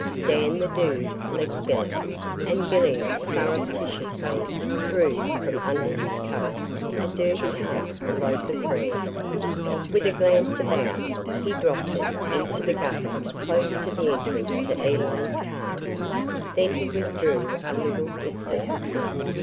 Dan the Dude left Billy, and Billy surreptitiously drew from under his coat a dirty half loaf of bread. With a glance about, he dropped it into the gutter close to the entrance to Elaine's car. Then he withdrew a little distance.